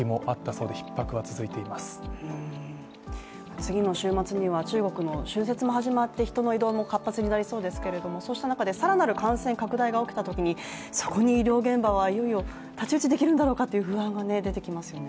次の週末には中国の春節も始まって人の移動も活発になりそうですけれどもそういう中で更なる感染拡大が始まったときにそこに医療現場はいよいよ太刀打ちできるんだろうかという不安が出てきますよね。